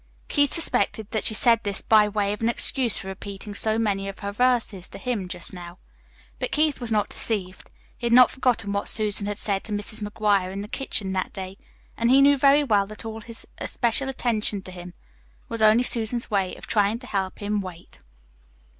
Keith suspected that she said this by way of an excuse for repeating so many of her verses to him just now. But Keith was not deceived. He had not forgotten what Susan had said to Mrs. McGuire in the kitchen that day; and he knew very well that all this especial attention to him was only Susan's way of trying to help him "wait."